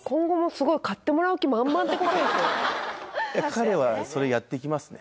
彼はそれやってきますね